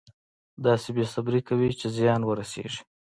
داسې بې صبري کوي چې زیان ورسېږي.